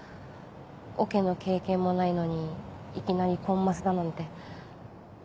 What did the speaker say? オケの経験もないのにいきなりコンマスだなんて。